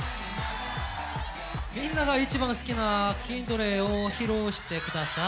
「みんなが一番好きな筋トレを披露してください」。